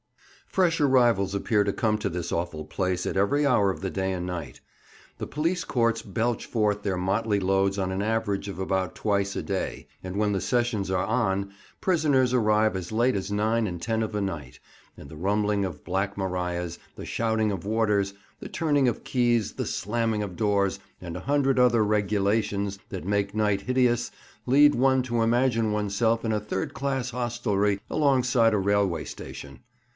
FRESH arrivals appear to come to this awful place at every hour of the day and night. The police courts belch forth their motley loads on an average about twice a day, and when the Sessions are "on," prisoners arrive as late as nine and ten of a night, and the rumbling of "Black Marias," the shouting of warders, the turning of keys, the slamming of doors, and a hundred other "regulations" that make night hideous, lead one to imagine oneself in a third class hostelry alongside a railway station.